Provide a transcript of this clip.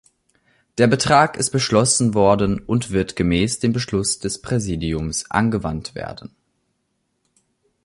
Der Betrag ist beschlossen worden und wird gemäß dem Beschluss des Präsidiums angewandt werden.